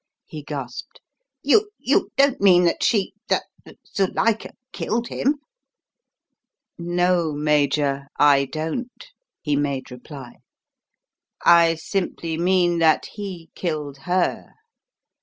he gasped. "You you don't mean that she that Zuilika killed him?" "No, Major, I don't," he made reply. "I simply mean that he killed her!